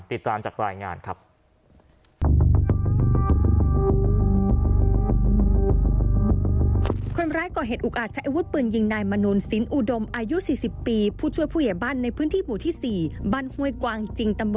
ติดตามจากรายงานครับ